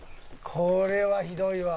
「これはひどいわ」